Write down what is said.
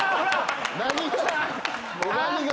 何が？